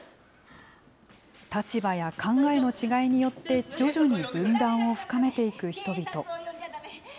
立場や考えの違いによって徐々に分断を深めていく人々。